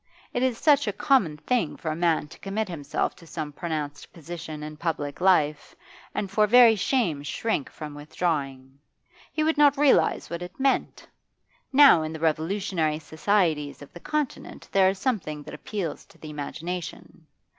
It is such a common thing for a man to commit himself to some pronounced position in public life and for very shame shrink from withdrawing. He would not realise what it meant. Now in the revolutionary societies of the Continent there is something that appeals to the imagination.